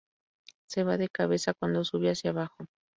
Se va de cabeza cuando sube hacia abajo.